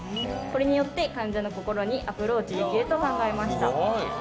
これによって患者の心にアプローチできると考えました